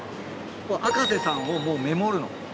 赤瀬さんをもうメモるの。